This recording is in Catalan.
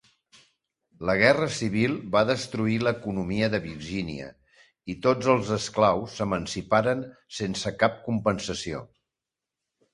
La guerra civil va destruir l'economia de Virgínia i tots els esclaus s'emanciparen sense cap compensació.